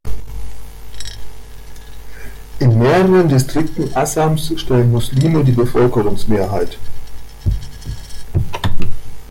In mehreren Distrikten Assams stellen Muslime die Bevölkerungsmehrheit.